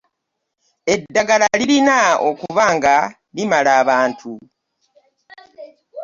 Eddagala lirina okuba nga limala abantu.